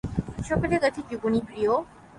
সকলের কাছে জীবনই প্রিয়।